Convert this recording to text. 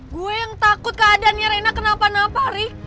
gue yang takut keadaannya reina kenapa napa ri